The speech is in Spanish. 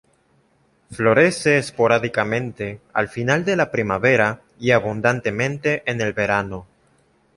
Florece esporádicamente al final de la primavera y abundantemente en el verano.